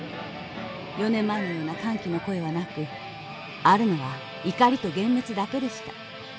４年前のような歓喜の声はなくあるのは怒りと幻滅だけでした。